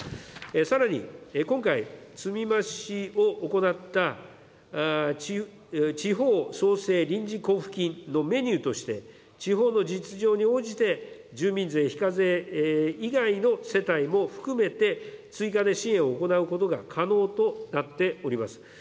さらに今回、積み増しを行った地方創生臨時交付金のメニューとして、地方の実情に応じて、住民税非課税以外の世帯も含めて、追加で支援を行うことが可能となっております。